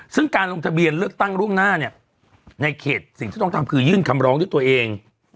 ซึ่งการลงทะเบียนเลือกตั้งล่วงหน้าเนี่ยในเขตสิ่งที่ต้องทำคือยื่นคำร้องด้วยตัวเอง